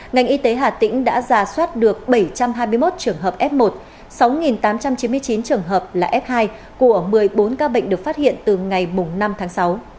ngành y tế hà tĩnh đã giả soát được bảy trăm hai mươi một trường hợp f một sáu tám trăm chín mươi chín trường hợp là f hai của một mươi bốn ca bệnh được phát hiện từ ngày năm tháng sáu